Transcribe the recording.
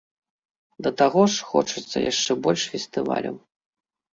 Да таго ж, хочацца яшчэ больш фестываляў.